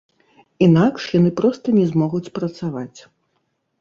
Інакш яны проста не змогуць працаваць.